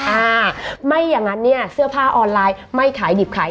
อ่าไม่อย่างนั้นเนี่ยเสื้อผ้าออนไลน์ไม่ขายดิบขาย